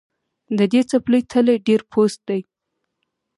د دې څپلۍ تلی ډېر پوست دی